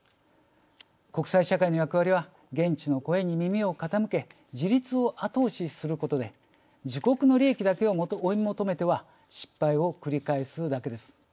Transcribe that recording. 国際社会の役割は現地の声に耳を傾け自立を後押しすることで自国の利益だけを追い求めては失敗を繰り返すだけです。